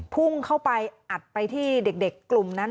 พุ่งเข้าไปอัดไปที่เด็กกลุ่มนั้น